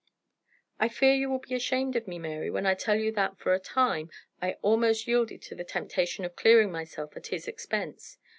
"I fear you will be ashamed of me, Mary, when I tell you that, for a time, I almost yielded to the temptation of clearing myself at his expense.